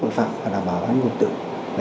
tội phạm và đảm bảo an ninh trật tự